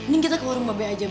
ini ada dua